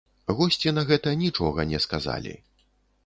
Госці на гэта нічога не сказалі.